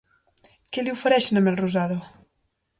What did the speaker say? Què li ofereixen a Melrosada?